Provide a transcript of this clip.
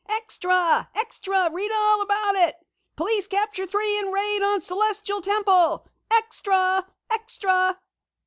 "_Extra! Extra! Read all about it! Police Capture Three in Raid on Celestial Temple! Extra! Extra!